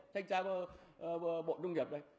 thanh tra bộ nông nghiệp đây